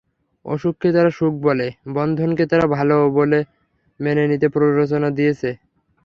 অসুখকে তারা সুখ বলে, বন্ধনকে তারা ভালো বলে মেনে নিতে প্ররোচনা দিয়েছে।